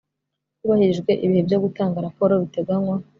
Hubahirijwe ibihe byo gutanga raporo biteganywa